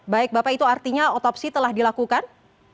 baik bapak itu artinya otopsi telah dilakukan